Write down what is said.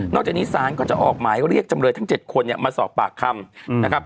จากนี้ศาลก็จะออกหมายเรียกจำเลยทั้ง๗คนมาสอบปากคำนะครับ